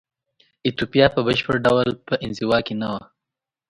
ایتوپیا په بشپړ ډول په انزوا کې نه وه.